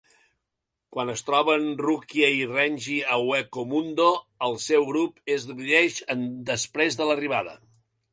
Quan es troben Rukia i Renji a Hueco Mundo, el seu grup es divideix després de l'arribada.